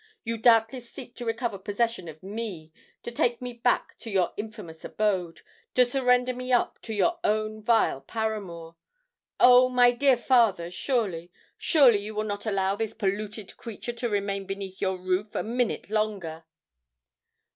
You doubtless seek to recover possession of me—to take me back to your infamous abode—to surrender me up to your own vile paramour! Oh! my dear father, surely—surely you will not allow this polluted creature to remain beneath your roof a minute longer!"